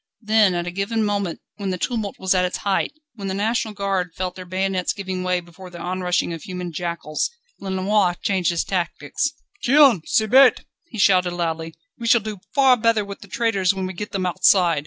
Then at a given moment, when the tumult was at its height, when the National Guard felt their bayonets giving way before this onrushing tide of human jackals, Lenoir changed his tactics. "Tiens! c'est bête!" he shouted loudly, "we shall do far better with the traitors when we get them outside.